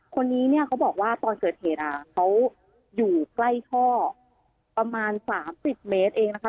คนนี้เนี่ยเขาบอกว่าตอนเกิดเหตุเขาอยู่ใกล้ท่อประมาณ๓๐เมตรเองนะคะ